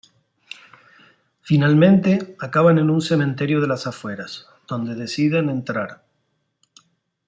Finalmente acaban en un cementerio de las afueras, donde deciden entrar.